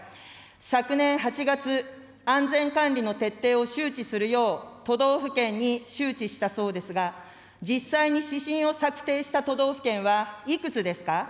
昨年８月、安全管理の徹底を周知するよう、都道府県に周知したそうですが、実際に指針を策定した都道府県はいくつですか。